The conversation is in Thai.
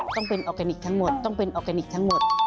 ต้องเป็นออร์แกนิคทั้งหมดต้องเป็นออร์แกนิคทั้งหมด